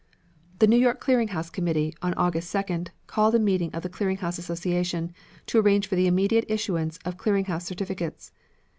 The New York Clearing House Committee, on August 2d, called a meeting of the Clearing House Association, to arrange for the immediate issuance of clearing house certificates.